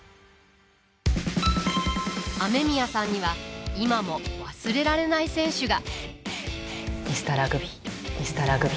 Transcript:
雨宮さんには今も忘れられない選手が。